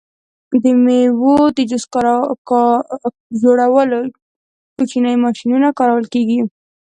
د میوو د جوس جوړولو کوچنۍ ماشینونه کارول کیږي.